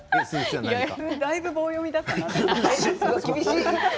だいぶ棒読みだったな。